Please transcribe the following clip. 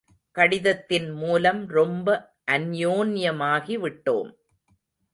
கடிதத்தின் மூலம் ரொம்ப அன்யோன்யமாகி விட்டோம்.